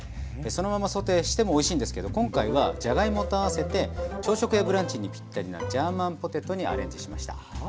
そのままソテーしてもおいしいんですけど今回はじゃがいもと合わせて朝食やブランチにぴったりなジャーマンポテトにアレンジしました。